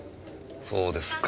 そうですか。